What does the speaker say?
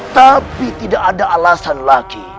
tapi tidak ada alasan lagi